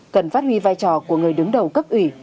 cần phát huy vai trò của người đứng đầu cấp ủy